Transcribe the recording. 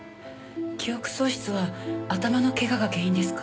記憶喪失は頭のけがが原因ですか？